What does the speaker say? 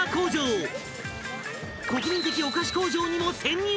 ［国民的お菓子工場にも潜入！］